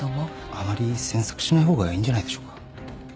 あまり詮索しない方がいいんじゃないでしょうか。